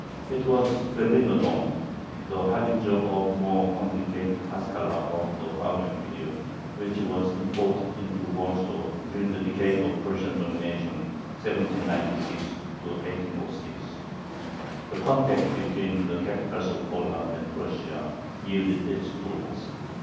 It was "Berlinerdom," the harbinger of the more complicated Haskala of the following period, which was imported into Warsaw during the decade of Prussian dominion (1796 1806). The contact between the capitals of Poland and Prussia yielded its fruits.